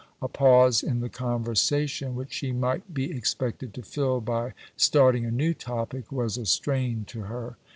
A pause in the conversation, which she might be expected to fill by starting a new topic, was a strain to her.